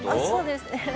そうですね。